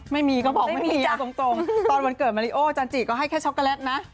ไม่มีก็บอกไม่มีเอาตรงตอนวันเกิดมาริโอจันจิก็ให้แค่ช็อกโกแลตนะ